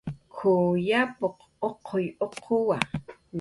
"K""uw yapuq uq uquwa"